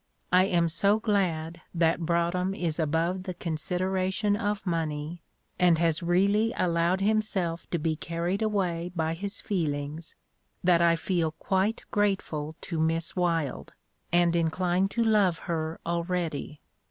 "I am so glad that Broadhem is above the consideration of money, and has really allowed himself to be carried away by his feelings, that I feel quite grateful to Miss Wylde, and inclined to love her already."